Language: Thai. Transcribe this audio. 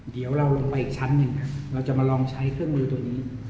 เดี๋ยวเราลงไปอีกชั้นหนึ่งนะเราจะมาลองใช้เครื่องมือตัวนี้